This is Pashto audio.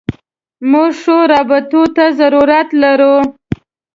موږ ښو راوبطو ته ضرورت لرو.